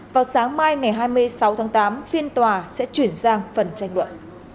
vào sáng mai ngày hai mươi sáu tháng tám phiên tòa sẽ chuyển sang phần tranh luận